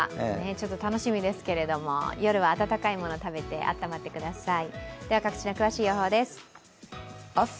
ちょっと楽しみですけれども、夜は暖かいもの食べてあったまってください。